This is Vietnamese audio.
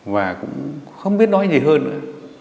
và cũng không biết nói gì hơn nữa